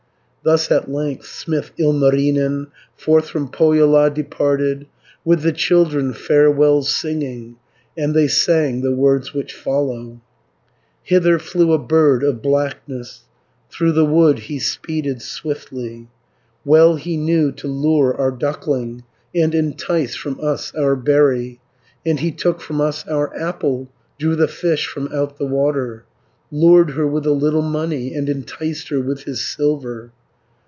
Thus at length, smith Ilmarinen Forth from Pohjola departed, With the children farewells singing, And they sang the words which follow: 480 "Hither flew a bird of blackness, Through the wood he speeded swiftly, Well he knew to lure our duckling, And entice from us our berry, And he took from us our apple, Drew the fish from out the water, Lured her with a little money, And enticed her with his silver.